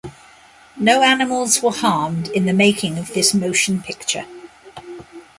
No animals were harmed in the making of this motion picture.